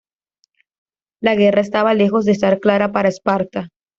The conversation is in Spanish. La guerra estaba lejos de estar clara para Esparta.